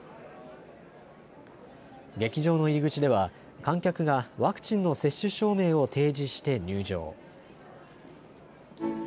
劇場の入り口では観客がワクチンの接種証明を提示して入場。